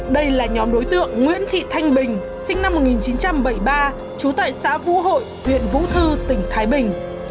đây là nhóm đối tượng nguyễn thị thanh bình sinh năm một nghìn chín trăm bảy mươi ba trú tại xã vũ hội huyện vũ thư tỉnh thái bình